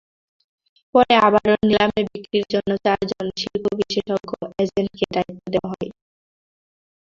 পরে আবারও নিলামে বিক্রির জন্য চারজন শিল্পবিশেষজ্ঞ এজেন্টকে দায়িত্ব দেওয়া হয়।